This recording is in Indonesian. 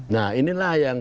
nah inilah yang